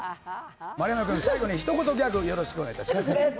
丸山君、最後にひと言ギャグ、よろしくお願いいたします。